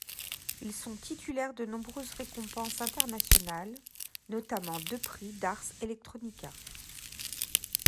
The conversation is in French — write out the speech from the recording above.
Ils sont titulaires de nombreuses récompenses internationales, notamment deux prix Ars Electronica.